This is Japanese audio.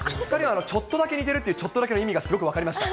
ちょっとだけ似てるって、ちょっとだけの意味がすごく分かりました。